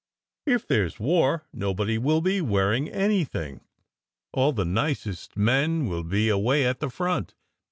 If there s war, nobody will be wearing anything. All the nicest men will be away at the front.